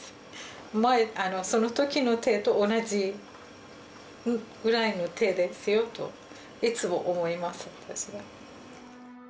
その時の手と同じぐらいの手ですよといつも思います。